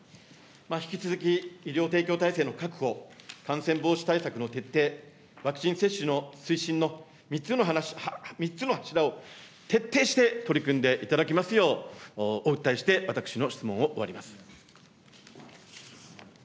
引き続き医療提供体制の確保、感染防止対策の徹底、ワクチン接種の推進の３つの柱を徹底して取り組んでいただきますよう、お訴えして私の質問を終わります。